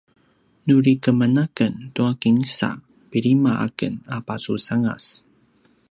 nuri keman aken tua kinsa pilima aken a pasusangas